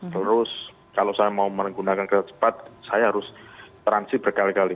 terus kalau saya mau menggunakan kereta cepat saya harus transit berkali kali